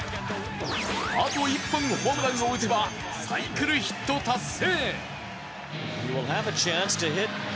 あと１本ホームランを打てばサイクルヒット達成。